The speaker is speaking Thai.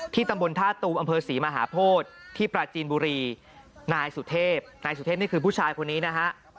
ตำบลท่าตูมอำเภอศรีมหาโพธิที่ปราจีนบุรีนายสุเทพนายสุเทพนี่คือผู้ชายคนนี้นะฮะ